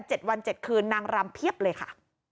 ๗วันเจ็ดคืนนางรำเพียบเลยค่ะ